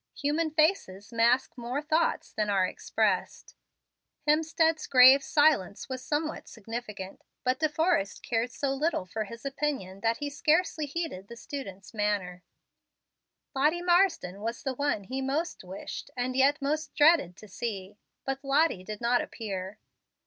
Human faces mask more thoughts than are expressed. Hemstead's grave silence was somewhat significant; but De Forrest cared so little for his opinion that he scarcely heeded the student's manner. Lottie Marsden was the one he most wished, and yet most dreaded to see. But Lottie did not appear.